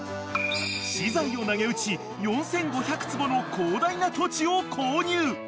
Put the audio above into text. ［私財をなげうち４，５００坪の広大な土地を購入］